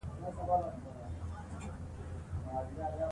ستاسو هڅې به رنګ راوړي.